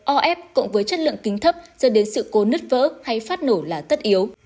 o ép cộng với chất lượng kính thấp dẫn đến sự cố nứt vỡ hay phát nổ là tất yếu